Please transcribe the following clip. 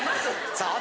さあ